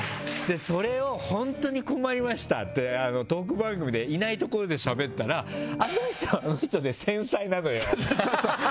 それを本当に困りましたってトーク番組でいないところでしゃべったらあの人はあの人で繊細なのよ。